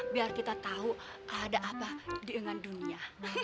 biar kita tahu ada apa dengan dunia